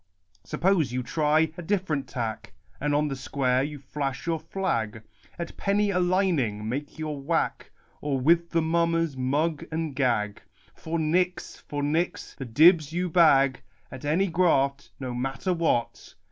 Suppose you try a different tack, And on the square you flash your flag ? At penny a lining make your whack, Or with the mummers mug and gag ? For nix, for nix the dibbs you bag At any graft, no matter what